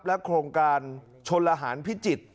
และโครงการชนละหารพิจิตย์